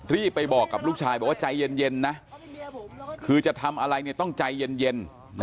รีบไปบอกกับลูกชายบอกว่าใจเย็นนะคือจะทำอะไรต้องใจเย็น